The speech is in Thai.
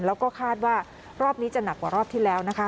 แล้วก็คาดว่ารอบนี้จะหนักกว่ารอบที่แล้วนะคะ